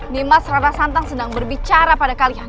nih mas larasantang sedang berbicara pada kalian